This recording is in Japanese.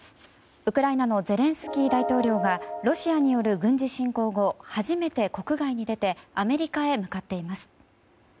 ウクライナのゼレンスキー大統領がロシアによる軍事侵攻後初めて国外に出てアメリカへ向かっています。